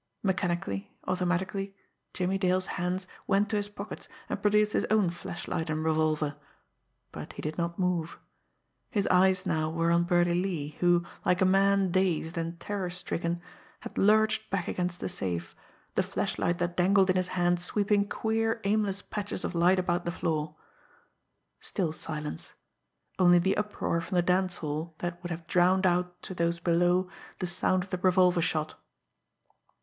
Mechanically, automatically, Jimmie Dale's hands went to his pockets and produced his own flashlight and revolver but he did not move. His eyes now were on Birdie Lee, who, like a man dazed and terror stricken, had lurched back against the safe, the flashlight that dangled in his hand sweeping queer, aimless patches of light about the floor. Still silence only the uproar from the dance hall that would have drowned out to those below the sound of the revolver shot.